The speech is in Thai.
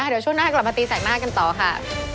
เดี๋ยวช่วงหน้ากลับมาตีแสกหน้ากันต่อค่ะ